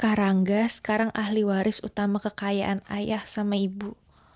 karangga sekarang ahli waris utama kekayaan ayah sama ibu